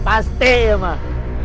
pasti ya mah